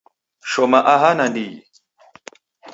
Shoma aha nandighi